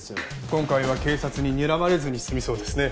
今回は警察ににらまれずに済みそうですね。